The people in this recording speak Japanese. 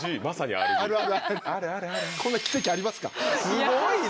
すごいな。